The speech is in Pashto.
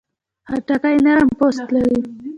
خټکی نرم پوست لري.